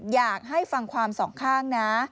อยากให้ฟังความสองข้างนะ